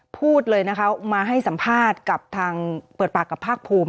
พูดเลยนะคะมาให้สัมภาษณ์กับทางเปิดปากกับภาคภูมิ